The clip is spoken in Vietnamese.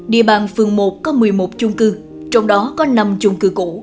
địa bàn phường một có một mươi một chung cư trong đó có năm chung cư cũ